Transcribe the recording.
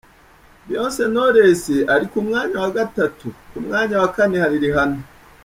Beyonce Knowles ari ku mwanya wa gatatu, ku mwanya wa kane hari Rihanna.